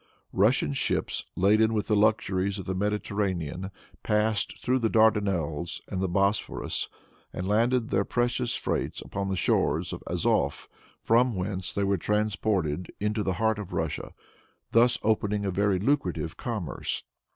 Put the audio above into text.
Russian ships, laden with the luxuries of the Mediterranean, passed through the Dardanelles and the Bosporus, and landed their precious freights upon the shores of Azof, from whence they were transported into the heart of Russia, thus opening a very lucrative commerce.